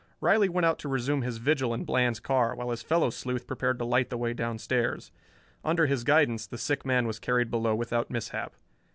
Riley went out to resume his vigil in Bland's car, while his fellow sleuth prepared to light the way downstairs. Under his guidance the sick man was carried below without mishap.